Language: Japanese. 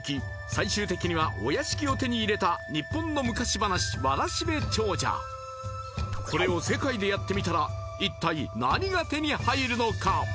最終的にはお屋敷を手に入れた日本の昔話わらしべ長者これを世界でやってみたら一体何が手に入るのか？